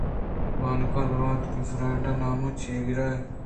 بانک ءَ درّائینت کہ فریڈا ءِ نامءَ چیا گرئے